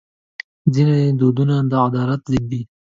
ځینې دودونه د عدالت ضد دي.